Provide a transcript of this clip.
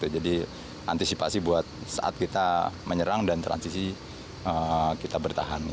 jadi antisipasi buat saat kita menyerang dan transisi kita bertahan